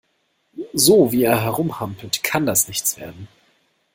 So, wie er herumhampelt, kann das nichts werden.